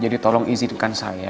jadi tolong izinkan saya